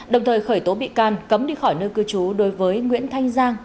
đồng thời khởi tố bị can cấm đi khỏi nơi cư trú đối với nguyễn thanh giang